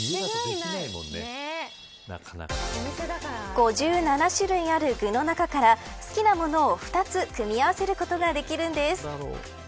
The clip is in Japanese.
５７種類ある具の中から好きなものを２つ組み合わせることができるんです。